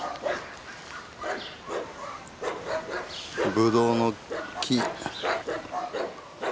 ブドウの木。